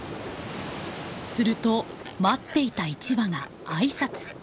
すると待っていた１羽が挨拶。